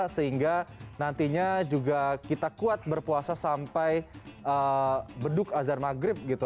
sehingga nantinya juga kita kuat berpuasa sampai beduk azan maghrib gitu